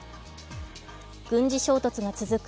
軍事衝突が続く